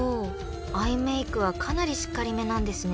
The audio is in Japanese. アイメークはかなりしっかりめなんですね］